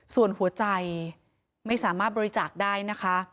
ส่วนหัวใจไม่สามารถบริจาคได้นะคะ